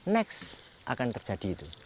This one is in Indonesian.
next akan terjadi itu